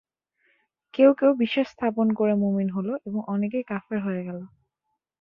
কেউ কেউ বিশ্বাস স্থাপন করে মুমিন হল এবং অনেকেই কাফের হয়ে গেল।